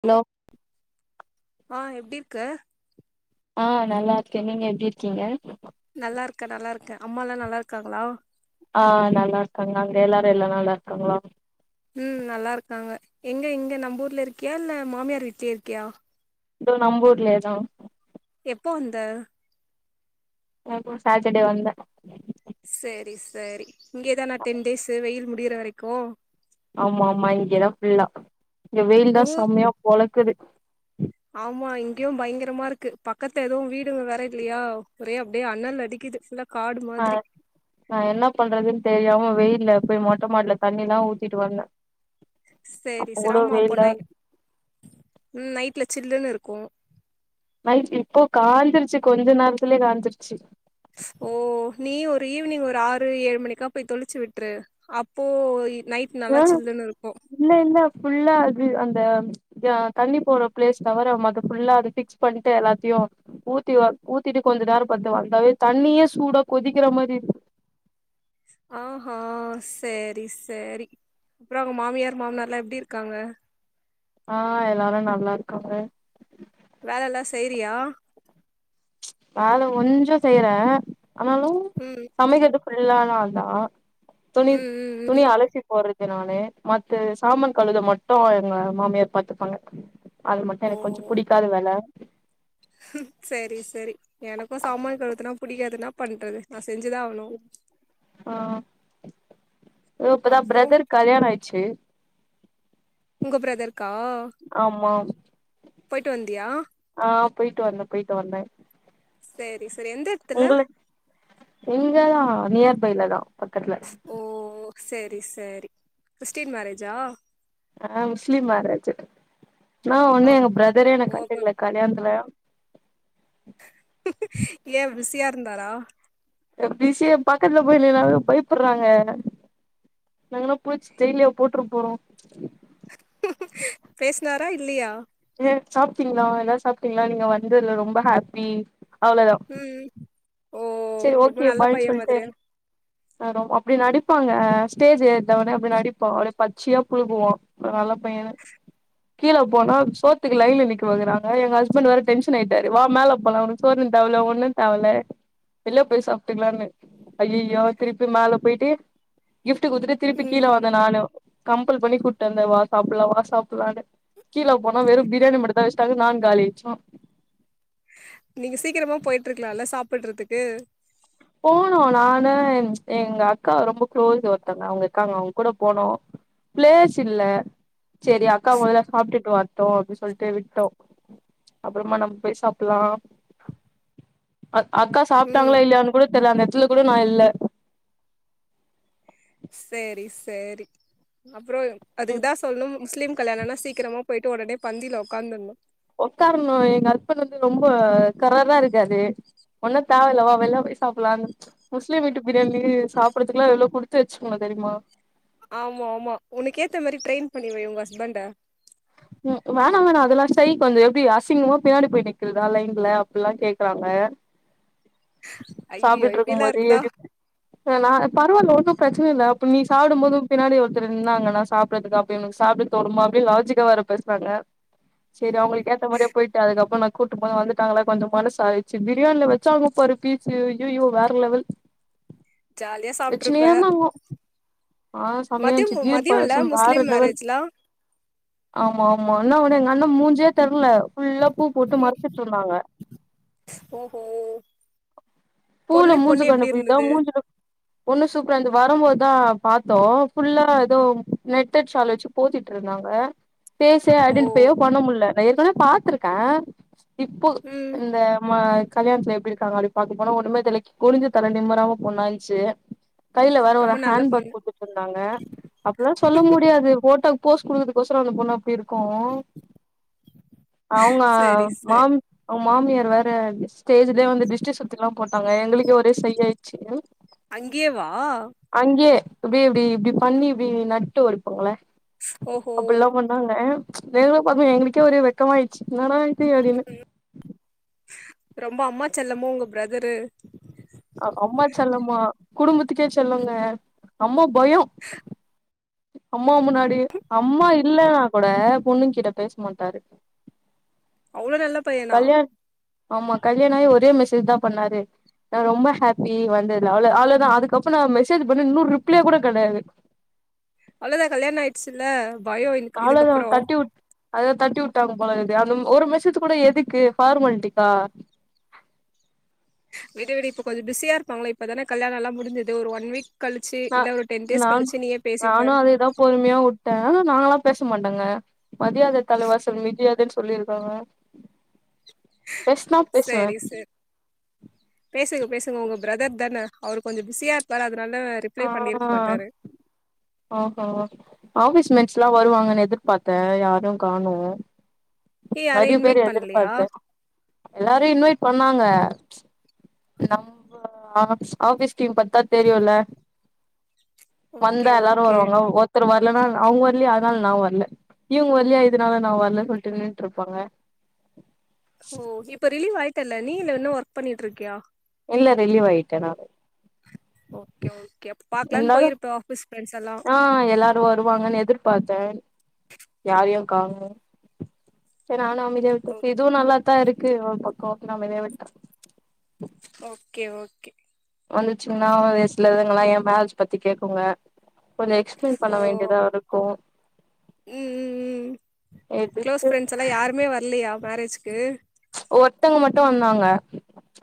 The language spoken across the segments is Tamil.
ஹலோ ஆ எப்டிருக்க ஆ நல்லா இருக்கே நீங்க எப்டி இருக்கீங்க நல்லாருக்க நல்லாருக்க அம்மாலா நல்லாருக்காங்களா ஆ நல்லாருக்காங்க நாங்க எல்லாரு எல்லா நல்லாருக்காங்களா ம் நல்லாருக்காங்க எங்க இங்க நம் ஊர்ல இருக்கியா இல்ல மாமியார் வீட்லயே இருக்கியா [unintelligible] நம்பூர்லேதா எப்போ வந்த நா போன சாட்டடே வந்தே செரி செரி இங்கேதானா டென் டேஸு வெயில் முடியிற வரைக்கூ ஆமா ஆமா இங்கேதா ஃபுல்லா இங்க வெயில தா உங்க ஊர் செம்மையா பொழக்குது ஆமா இங்கயு பயங்ரமா இருக்கு பக்கத்ல எதவு வீடுங்க வேற இல்லையா ஒரே அப்டியே அணல் அடிக்குது ஃபுல்ல காடு ஆ மாதிரி நா என்ன பண்றதுன் தெரியாம வெயில்ல போய் மொட்ட மாடில தண்ணில்லா ஊத்திட்டு வந்த செரி செரி ஆமா அப்போ நைட் ம் நைட்ல சில்லுனுருக்கூ நைட் இப்போ காஞ்சுருச்சு கொஞ்ச நேரத்துலயே காஞ்சுருச்சு ஸ் ஓ நீ ஒரு ஈவ்னிங் ஒரு ஆறு ஏழு மணிக்கா போய் தொலுச்சு விட்ரு அப்போ நைட் நல்லா ம் சில்லுன்னுருக்கூ இல்ல இல்ல ஃபுல்லா அது அந்த தண்ணி போற பிளேஸ் தவர மத்த ஃபுல்லா அத பிக்ஸ் பண்ணிட்டு எல்லாத்தையு ஊத்தி ஒ ஊத்திட்டு கொஞ்ச நேரொ பத்து வாங்கங்காவே தண்ணியே சூடா கொதிக்கிற மாரி ஆஹா செரி சேரி அப்புறோ உங்க மாமியார் மாமனார் லா எப்டி இருக்காங்க ஆ எல்லாரு நல்லாருக்காங்க வேலல்லா செய்றியா வேல கொஞ்சோ செய்யற ஆனாலு ம் சமைக்கறது ஃபுல்லா நாந்தா துணி ம் ம் துணி ம் அலசிப் ஒருதுனாளு மத்த சாமன் கழுவது மட்டு எங்க மாமியார் பாத்துப்பாங்க அது மட்டு எனக்கு கொஞ்சோ புடிக்காத வேல சரி சரி எனக்கு சாமான கழுவதுத்துனா பிடிக்காதுனா ன்னா பண்றது நா செஞ்சுதா ஆவணு ஆ ஓ இப்பதா அப்றோ பிரதர் கல்யாண ஆயிட்ச்சு உங்க பிரதருக்கா ஆமா ஆ போயிட்டு வந்தே போயிட்டு வந்தே சரி சரி எந்த எடத்துல உங்களுக் இங்கதா நியர் பைல தா பக்கத்துல தா ஓ சரி சரி கிறிஸ்டீன் மேரேஜா ஆ முஸ்லீம் மேராஜு ன்னா ஆ ஒண்ணு எங்க பிரதரே என்ன ஓ அப்ப கண்டுக்ல கல்யாணத்துல ஏ பிசியா இருந்தாரா பிசிய பக்கத்துல போய் நின்னாலு பயப்பராங்க நாங்கனா புடிச்சு ஜெய்லியா போட்ரு போறோ பேஸ்னார இல்லியா [unintelligible] சாப்ட்டீங்களா எதாவ்து சாப்ட்டீங்களா நீங்க வந்ததுல ரொம்ப ஹேப்பி அவ்ளோதா ம் ஓ சரி ரொம்ப ஓக்கே நல்ல பாய் பைய சொல்ட்டு மாதிரியா ரோ அப்டி நடிப்பாங்க ஸ்டேஜ் ஏற்னவுடனே அப்டி நடிப்போ அப்டியே பச்சியா புழுகுவோ இவ நல்ல பையனு கீழே போனா சோத்துக்கு லைன்ல நிக்கவகறாங்க எங்க ஹஸ்பண்ட் வேற டென்ஷன் ஆய்ட்டாரு வா மேல போலா சோறு தேவல ஒன்னுந்தேவல வெள்ள போய் சாப்ட்டுக்லான்னு அய்யயோ திருப்பி மேல போய்ட்டு கிஃப்ட் குடுத்துட்டு திருப்பி ம் கீழே வ ந்து நானு கம்ப்பல் பண்ணி கூட்வந்தே வா சாப்பல்லா வா சாப்பல்லான்னு கீழ போனா வெறும்பிரியாணி மட்டுந்தா வச்டாங்க நாங் காலியாச்சோ நீங்க சீக்கிரமா போயிட்ருக்கலால்ல சாப்பிட்றதுக்கு போனோ நானு எங்க அக்கா ரொம்ப குளோஸ் ஒருத்தங்க அவ்ங்க இக்காங்க அவ்ங்க கூட போனோ பிளேஸ் இல்ல சரி அக்கா முதல்ல சாப்பட்டுட் வரட்டு அப்டி சொல்ட்டு விட்டோ அப்புறமா நம்ம போய் சாப்லாம் அ அக்கா ம் சாப்ட்டாங்களா இல்லையான்னு கூட தெர்ல அந்த எட்த்துல கூட நா இல்ல. செரி சேரி அப்றோ அதுக்குதா சொல்லும் முஸ்லீம் கல்யாணோனா சீக்கிரமா போயிட்டு ஒடனே பந்தியல ஒக்காந்தர்ணு ஒக்காரணு எங்க ஹஸ்பண்ட் வந்து ரொம்ப கராரா இருக்காரு ஒன்னுந் தேவயில்ல வா வெள்ல போய் சாப்லான்னு. முஸ்லீம் வீட்டு பிரியாணி சாப்பட்றதுக்கெல்லா எவ்ளோ குடுத்து வச்சுக்கணு தெரியுமா? ஆமாமா உனக்கேத்த மாரி ட்ரெயின் பண்ணி வை உங் ஹஸ்பண்ட. ம் வேணா வேணா அதெல்லா சைக் வந்து எப்டி அசிங்கமா பின்னாடி போய் நிக்றதா லைன்ல அப்பில்லா கேக்றாங்க அய்யயோ இருக்கும் போது இப்டியெல்லாயிருந்தா. எப்டி நா பரவால்ல ஒன்னு பிரச்சினயில்ல அப்ப நீ சாப்டும்போது உ பின்னாடி ஒருத்தர் நின்னாங்கன்னா சாப் [unintelligible] அப்பயுனக்கு சாப்ட தோணுமா அப்டி லாஜிக் வேற பேசுவாங்க சரி அவ்ங்ளுக்கு ஏத்த மாரியே போயிட்டு அதுக்கப்ப நா கூட்டு போக வந்துட்டாங்ளா கொஞ்ச மனசு ஆறிச்சு பிரியாணில வச்சாங்க பாரு பீஸ்சு அய்யயோ வேற லெவல். ஜாலியா சாப்ட்ருப்ப வச்னேந்தாங்கோ ஆ செமயா இந்துச்சு மதியம் ஹீர் மதியோல்ல பாயாசம் வேற முஸ்லீம் லெவல். மேரேஜ்லா ஆமா ஆமா ன்னா ஒண்ணு எங்க அண்ணா மூஞ்சே தெர்ல ஃபுல்லா பூ போட்டு ம் மறச்சிட்டு இருந்தாங்க. ஓஹோ பூல பொண்ணு பொண்ணு மூஞ்ச எப்டி கண்டு போய்ட்டு இருந்தது மூஞ்சுல பொண்ணு சூப்பராந்து வர போதா பாத்தோ ஃபுல்லா ஏதோ நெட்டட் ஷால் வெச்சு போத்திட்டு இருந்தாங்க பேசெ ஓ ஐடென்டிஃபையே பண்ண முட்ல்ல நா ஏற்கனவே பாத்து இருக்கே இப்போ ம் இந்த ம கல்யாணத்துல எப்டி இருக்காங்க அப்டி பாக்க போன ஒண்ணமே தெர்லை குனின்சு தல நிம்மராம பொண்ணாயிச்சு கையில வேற ஒரு ரொம்ப நல்ல ஹேண்பெக்கு பொண்ணு கூட் சொன்னாங்க அப்ப எல்லா சொல்ல முடியாது போட்டோக்கு போஸ் குடுக்குரதுக்கோசோரோ அந்த பொண்ணப் இருக்கு அவ்ங்க சேரி சேரி மாம் அவ் மாமியார் வேற ஸ்டேஜ்லே வந்து டிஷ்டி சுத் இத எல்லா போட்டாங்க எங்களுக்கு ஒரே ஷைய் ஆயிட்ச்சு அங்கே வா அங்கே இப்டி இப்டி இப்டி பண்ணி இப்டி நட்டு வடிப்பாங்களே ஓஹோ அப்டி எல்லா பண் ணாங்க வேகமா பாக்கு போது எங்களுக்கே ஒரு வெக்கமா ஆய்ட்ச்சு என்னாடா ரொம்ப அம்மா செல்லமோ உங்க பெதர்ரு அம்மா செல்லமா குடும்பத்துக்கே செல்லோங்க அம்மா பயோ அம்மா முன்னாடி அம்மா இல்லைன்னா கூட பொண்ணுங்க்கிட்ட பேஸ் மாட்டாரு அவ்ளோ நல்லப் கல்யாண் ஆமா கல்யாணாகி ஒரே மெசேஜ் தா பண்ணாரு நா ரொம்ப ஹாப்பி வந்ததுல அவ்ளோ அவ்ளோதா அதுக்கப்றோ மெசேஜ் பண்ணு இன்னு ரிப்ளே கூட கெடையாது அவ்ளோதா கல்யாண ஆயிடுச்சுல்ல பயோ இருக் இதுக்கப்புறோ அத தட்டி உட்டாங்க போலருக்குது அந்த ஒரு மெசேஜ் கூட எதுக்கு ஃபார்மாலிட்டிக்கா விடு விடு இப்ப கொஞ்சோ பிஸியா இருப்பாங்கள இப்பதானே கல்யாணோ எல்லா முடிஞ்சது ஒரு ஒன் வீக் கழிச்சு நா இல்ல ஒரு டென் டேஸ் நான் கழிச்சு நீயே நானு பேசிப்பாரு அதேதா பொறுமையா உட்டே நாங்களா பேச மாட்டேங்க மதியாத தலை வாசல் மிதியாதை சொல்லி இருக்காங்க சேரி செர் பேசுங்க பேசுங்க ஒங்க பெரதர் தான அவர் கொஞ்சோ பிஸியா இருப்பாரு அதனால ரிப்ளை ஆ பண்ணிருக்க மாட்டாரு ஆ ஆ ஹா ஆஃபீஸ் மெட்ஸ்லா வருவாங்கன்னு எதிர்பாத்தே யாரு காணோ ஏ யாரையு நெறைய பேர் இன்வைட் பண்லையா எதிர்பாத்தே எல்லாரு இன்வைட் பண்ணாங்க நம்ம ஆஃபீஸ் ஆஃபீஸ் டிம் பத்து தா தெரியுல்ல ஓகே வந்தா எல்லாரு ஓகே வருவாங்க ஒருத்தர் வரலன்னா அவ்ங்க வரலயா அதனால் நா வரல இவ்ங் வர் இல்லையா இதுனால நா வரல சொல்லிட் நின்னுட்டு இருப்பாங்க ஓ இப்ப ரிலீவ் ஆயிட்டல்ல நீ இல்ல இன்னு ஒர்க் பண்ணிட்டு இருக்கியா இல்ல ரிலீவ் ஆயிட்ட நா ஓகே ஓகே அப் பாக்லானு இருந்தாலு போயிருப்போ ஆஃபீஸ் பிரெண்ட்ஸ் எல்லா தோ வருவாங்கன்னு எதிர்பார்த்தே யாரையு காணோ செர் நானு அமைதியா ஓ விட்டுட்டு இதுவு நல்லாத்தா இருக்கு ஒரு பக்கோ அமைதியாவிட்ட ஓகே ஓகே வந்துச்சுங்கன்னா ஒர் சில இதுங் எல்லா என் மேர்ஜ் பத்தி கேக்குங்க கொஞ்சோ எக்ஸ்பிளைன் பண்ண வேண்டிய தா இருக்கு உம் உம் உம் ஃக்ளோஸ் எதுக்கு ஃப்ரெண்ட்ஸ் எல்லா யாருமே வர் இல்லையா மேரேஜ்க்கு ஒருத்தங்க மட்டு வந்தாங்க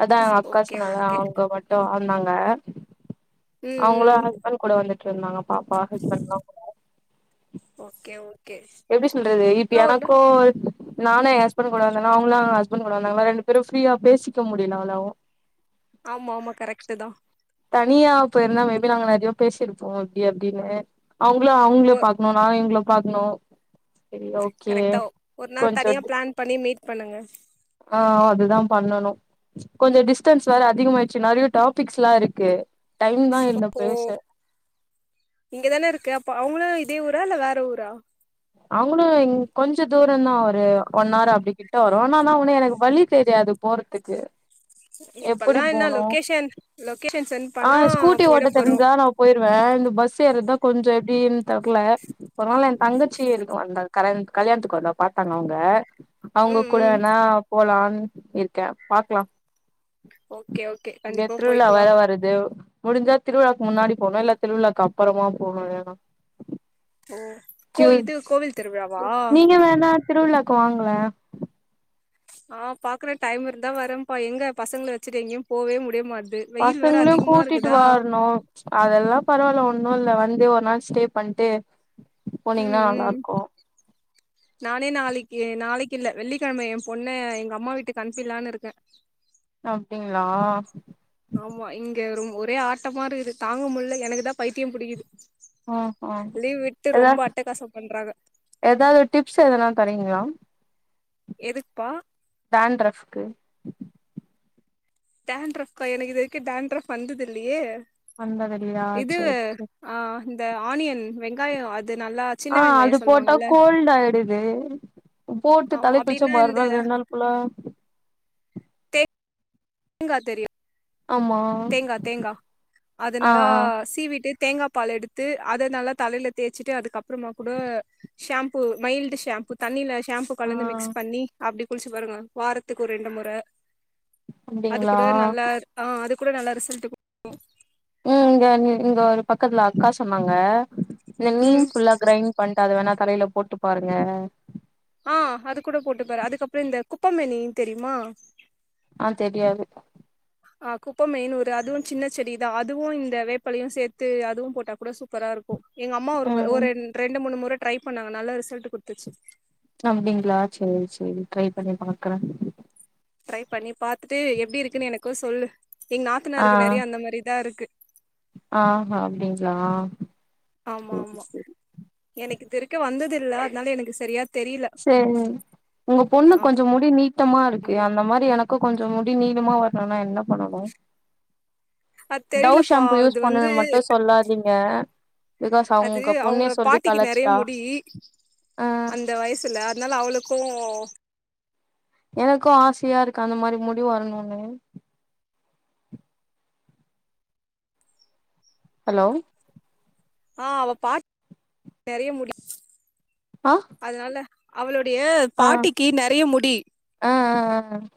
அதா அக்கா ஓகே சொன்னல்ல ஓகே அவ்ங்க மட் டு வந்தாங்க ம் அவுங்களு ம் ஹஸ்பண்ட் கூட வந்துட்டு இருந்தாங்க பாப்பா ஹஸ்பண்ட்லா ஓகே ஓ எப்டி சொல்றது இப்ப எனக்கு நானு எயா ஹஸ்பண்ட் கூட வந்தனா அவுங்களு அவங்க ஹஸ்பண்ட் கூட வந்தாங்களா ரெண்டு பேரு ஃப்ரீய பேசிக்க முடில அவ்ளோவு ஆமா ஆமா கரெக்ட்டு தா தனியா போயிருந்தா மேபி நாங்க நெறைய பேசிருப்போ இப்டி அப்டின்னு அவுங்ளு அவங்ளு ஒர் பாக்கு நா டா இவுங்கள பாக்கணு சரி ஓகே கரெக்டா ஒரு நாள் கொஞ்சோ தனியா பிளான் பண்ணி மீட் பண்ணுங்க ஆ ஆ அதுதா பண்ணணு கொஞ்சோ டிஸ்டன்ஸ் வேற அதிகம ஆயிடுச்சு நெறைய டாபிக்ஸ்லா இருக் கு டைம் தா இல்ல பேச இங்கதானே இருக்க அப்ப அவுங்களு இதே ஊரா இல்ல வேற ஊரா அவுங்களு இங் கொஞ்ச தூரோ தா ஒரு ஒன் ஹவர் அப்டி கிட்ட வரு நானா ஒன்னு எனக் வழி தெரியாது போறத்துக்கு இப்பல்லானா லொகேஷன் லொக்கேஷன் சென்ட் பண்ணா போயிட போறோ போயிருவ இந்த பஸ் ஏறதா கொஞ்சோ எப்டின்னு தெர்ல ஒரு நாள் என் தங்கச்சி இருக்கு அந்த கல்யாணத் கல்யாணத்துக்கு வந்தா பாத்தாங்க அவுங்க அவுங்க ம் ம் கூடனா போலான்னு இருக்க பாக்கலா ஓகே ஓ இங்க திருவிழா வேற வருது முடிஞ்சா திருவிழாக்கு முன்னாடி போவே இல்ல திருவிழாக்கு அப்பறமா போ வேண்டிதா ஓ கோ இது கோவில் திருவிழா வா திருவிழாவுக்கு வாங்களே ஆ பாக்குற டைம் இருந்தா வரப்பா எங்க பசங்கள வெச்சுட்டு எங்கேயு போவே முடியமாட்து பசங்களையு கூட்டிட்டு வரணு அதெல்லா பரவால்ல ஒன்னு இல்ல வந்து ஒரு நாள் ஸ்டே பண்ணிட்டு ம் ம் நானே நாளைக்கி நாளைக்கி இல்ல வெள்ளிக்கெழம எயா பொண்ண எங்க அம்மா வீட்டுக்கு அனுப்பிலான்னு இருக்கே அப்டிங்ளா ஆமா இங்க ரொம் ஒரே ஆட்டமா இருக்குது தாங்க முல்ல எனக்குதா பைத்தியம் புடிக்கிது ம் ம் லீவ் விட்டு ரொம்ப அட்டகாசம் பண்றாங்க எதாது ஒரு டிப்ஸ் எதனா தரீங்ளா எதுக்குபா டான்ரஃப்க்கு டான்ரஃப்கா எனக்கு இது வரைக்கு டான்ரஃப் வந்தது இல்லையே வந்தது இல்லையா இது சேர் சேர் ஆ இந்த ஆனியன் வெங்காயோ அது நல்லா சின்ன ஆ அது வெங்காயம் போட்டா சொல்லுவாங்கல்ல கோல்ட் ஆயிடுது போட்டு ஆமா தல குளிச்சா அப்டின்னா இந்த மறுநாள் ரெண்டு நாள் ஹலோ தேங்கா தெரில ஆமா தேங்கா தேங்கா அத ஆ ஆ நல்லா சீவிட்டு தேங்காயக்ஷ பால் எடுத்து அத நல்லா தலையில தேச்சிட்டு அதுக்கப்புறமா கூட ஷாம்பூ மையில்டு ஷாம்பூ தண்ணில ஷாம்பூ ஆ கலந்து மிக்ஸ் பண்ணி அப்டி குளிச்சி பாருங்க வாரத்துக்கு ஒரு ரெண்டு மொற அது அப்டிங்களா கூட நல்லா ஆ அது கூட நல்ல ரிசல்ட் ம் இங்க இங்க ஒரு பக்கத்துல அக்கா சொன்னாங்க இந்த ம் நீம் ஃபுல்லா கிரைண்ட் பண்ணிட்டு அது வேணா தலையில போட்டு பாருங்க ஆ அது கூட போட்டுப்பாரு அதுக்கப்றோ இந்த குப்பாமேனி தெரிமா ஆ தெரியாது. ஆ குப்ப மேனூரு அதுவு சின்ன செடிதா அதுவு இந்த வேப்பலையு சேத்து அதுவு போட்டா கூட சூப்பராரு ஒ எங்கம்மா ஒருவ ம் ஒருன் ரெண்டு மூணு முற ட்ரை பண்ணாங்க நல்லா ரிசல்ட்டு குட்த்துச்சு. அப்டிங்ளா சேரி சேரி ட்ரை பண்ணி பாக்கறே. ட்ரை பண்ணி பாத்துட்டு எப்டி இருக்குன்னு எனக்கு சொல்லு எங் நாத்தனாருக்கு நறைய அந்த மாரிதா இருக்கு. ஆ ஹா அப்டிங்ளா? ஆமா ஆமா எனக்கு இதுவரிக்கு வந்ததில்ல அதனால எனக்கு செரியா சேரி உங்க பொண்ணுக் கொஞ்சோ முடி நீட்டமா இருக்கு அந்த மாரி எனக் க்கு கொஞ்சோ முடி நீளமா வரணுன்னா என்ன பண்ணனு? அது டவ் தெரியலப்பா ஷாம்பு அது யூஸ் பண்ணுனு வந்து மட்டு சொல்லாதீங்க. பிகாஸ் அ அது உங்க பொண்ணே அவங்க சொல்லி பாட்டிக்கு நெறைய களாச்சிட்டா அ. த்துல அதனால அவுளுக்கு எனக்கு ஆசையா இருக்கு அந்த மாரி முடி வரணுனு. ஹலோ? ஆ அவ பாத் நெறைய முடி அ. அதனால அவுளுடைய பாட்டிக்கி நறைய முடி. அ அ அ அ.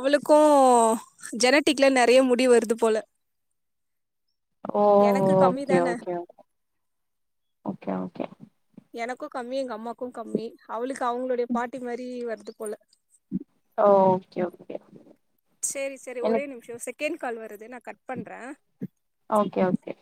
அவுளுக்கு ஜெனட்டிக்ல நெறைய முடி வருது போல. ஓ எனக்கு கம்மி ஓகே தான ஓகே ஓ ஓகே ஓகே. எனக்கு கம்மி எங்க அம்மாக்கு கம்மி. அவுளுக்கு அவுங்ளுடைய பாட்டி மாரி வருது போல. ஓ ஓகே ஓகே. சேரி சேரி ஒரே எனக்கு நிம்ஷோ செகண் கால் வருது நா கட் பண்றே. Okay okay.